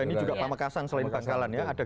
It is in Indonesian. ini juga pamekasang selain pangkalan ya ada di